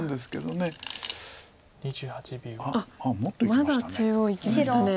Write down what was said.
まだ中央いきましたね。